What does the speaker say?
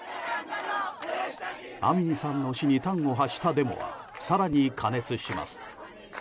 アミニさんの死に端を発したデモは更に過熱します。